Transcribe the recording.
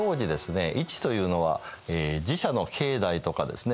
市というのは寺社の境内とかですね